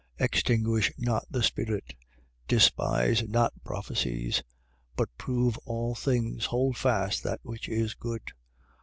5:19. Extinguish not the spirit. 5:20. Despise not prophecies. 5:21. But prove all things: hold fast that which is good.